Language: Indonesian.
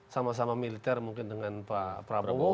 sama sama militer mungkin dengan pak prabowo